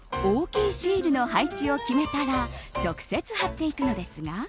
大きいシールの配置を決めたら直接、貼っていくのですが。